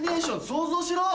想像しろ！